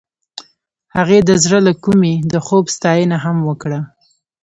هغې د زړه له کومې د خوب ستاینه هم وکړه.